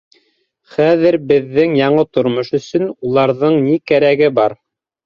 Хәҙерге беҙҙең яңы тормош өсөн уларҙың ни кәрәге бар?